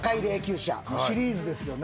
シリーズですよね。